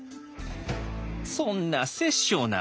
「そんな殺生な。